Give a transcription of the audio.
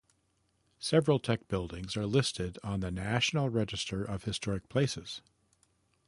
Several Tech buildings are listed on the National Register of Historic Places.